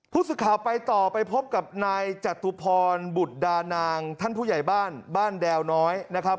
ผู้สื่อข่าวไปต่อไปพบกับนายจตุพรบุตรดานางท่านผู้ใหญ่บ้านบ้านแดวน้อยนะครับ